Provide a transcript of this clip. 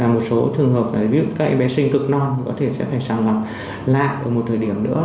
một số trường hợp là ví dụ các bé sinh cực non có thể sẽ phải sàng lọc lại ở một thời điểm nữa